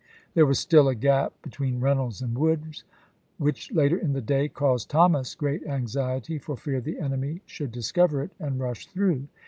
There was still a gap between Reynolds and Wood, which later in the day caused Thomas great anxiety for fear the enemy should discover it and rush through.